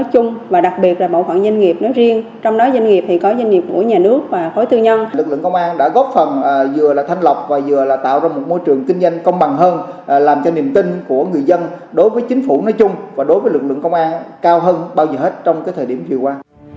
công ty tập đoàn aic đã tạo ra một môi trường kinh doanh công bằng hơn làm cho niềm tin của người dân đối với chính phủ nói chung và đối với lực lượng công an cao hơn bao giờ hết trong thời điểm truyền qua